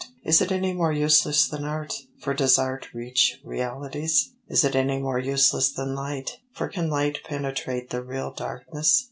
Is it any more useless than art for does art reach realities? Is it any more useless than light for can light penetrate the real darkness?